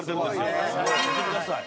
見てください。